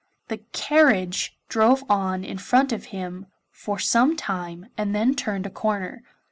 The carriage drove on in front of him for some time and then turned a corner.